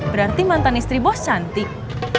berarti mantan istri bos cantik